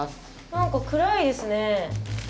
何か暗いですね。